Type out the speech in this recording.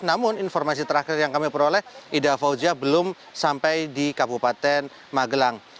namun informasi terakhir yang kami peroleh ida fauzia belum sampai di kabupaten magelang